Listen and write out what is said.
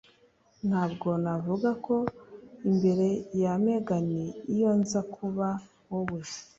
Ntabwo navuga ko imbere ya Megan iyo nza kuba wowe.